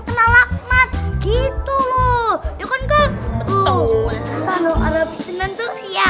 kenal ahmad gitu loh yuk untuk selalu arab jenantuh ya